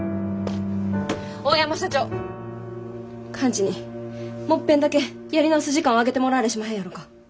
大山社長寛治にもっぺんだけやり直す時間をあげてもらわれしまへんやろか。